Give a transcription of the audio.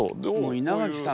稲垣さん